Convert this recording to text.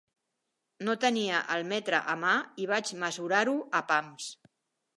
No tenia el metre a mà i vaig mesurar-ho a pams.